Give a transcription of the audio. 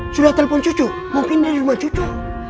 sudah telepon cucu mungkin dari rumah cucu